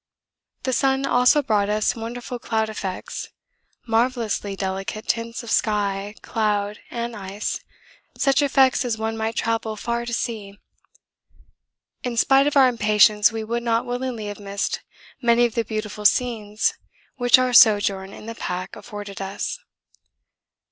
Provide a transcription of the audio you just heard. The sun also brought us wonderful cloud effects, marvellously delicate tints of sky, cloud, and ice, such effects as one might travel far to see. In spite of our impatience we would not willingly have missed many of the beautiful scenes which our sojourn in the pack afforded us.